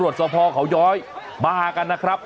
ขอบคุณครับขอบคุณครับ